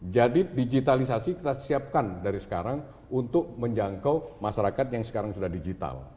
jadi digitalisasi kita siapkan dari sekarang untuk menjangkau masyarakat yang sekarang sudah digital